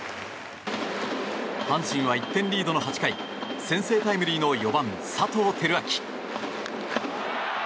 阪神は１点リードの８回先制タイムリーの４番、佐藤輝明。